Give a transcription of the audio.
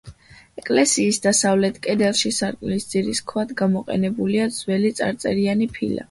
ეკლესიის დასავლეთ კედელში, სარკმლის ძირის ქვად გამოყენებულია ძველი წარწერიანი ფილა.